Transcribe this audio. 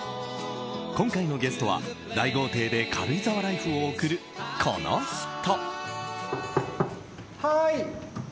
今回のゲストは大豪邸で軽井沢ライフを送るこの人。